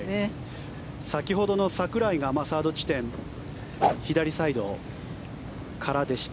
先ほどの櫻井がサード地点左サイドからでした。